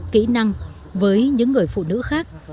kỹ năng với những người phụ nữ khác